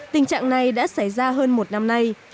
tình trạng này đã xảy ra hơn một năm nay